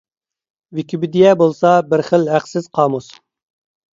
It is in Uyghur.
ۋىكىپېدىيە بولسا بىر خىل ھەقسىز قامۇس.